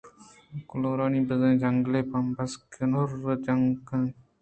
ءُ کہورانی بزیں جنگلےءَپِنسیں کُنر چِنگءَاَت